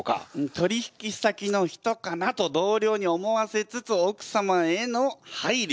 「取引先の人かな？」と同僚に思わせつつ奥様への配慮。